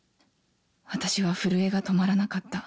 私は震えが止まらなかった。